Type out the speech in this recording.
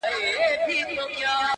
لکه اوښکه بې هدفه رغړېدمه -